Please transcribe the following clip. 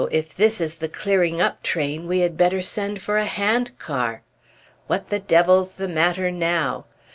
if this is the 'clearing up' train, we had better send for a hand car!" "What the devil's the matter now?"